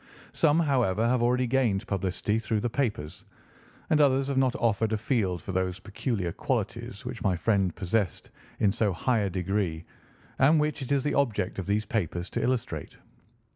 Some, however, have already gained publicity through the papers, and others have not offered a field for those peculiar qualities which my friend possessed in so high a degree, and which it is the object of these papers to illustrate.